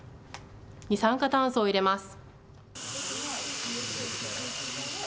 二酸化炭素を入れます。